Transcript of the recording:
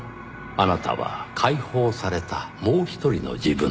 あなたは解放されたもう一人の自分だと。